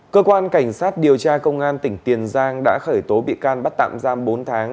cơ quan cảnh sát điều tra công an tỉnh tiền giang đã khởi tố bị can bắt tạm giam bốn tháng